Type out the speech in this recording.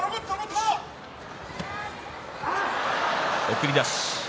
送り出し。